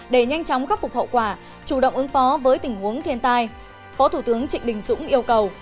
để nhanh chóng khắc phục hậu quả chủ động ứng phó với tình huống thiên tai phó thủ tướng trịnh đình dũng yêu cầu